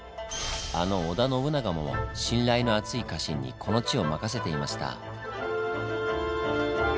あの織田信長も信頼の厚い家臣にこの地を任せていました。